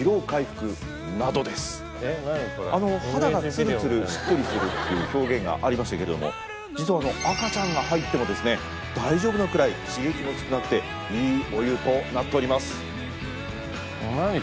肌がつるつるしっとりするという表現がありましたけども実は赤ちゃんが入っても大丈夫なくらい刺激も少なくていいお湯となっております。